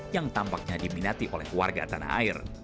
yang tampaknya diminati oleh warga tanah air